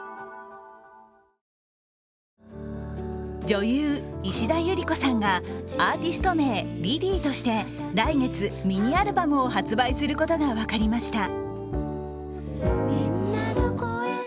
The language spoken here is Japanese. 女優・石田ゆり子さんがアーティスト名ｌｉｌｙとして来月、ミニアルバムを発売することが分かりました。